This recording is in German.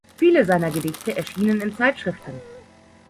Viele seiner Gedichte erschienen in Zeitschriften.